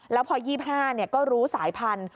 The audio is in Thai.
แล้วพอ๒๕ก็รู้สายพันธุ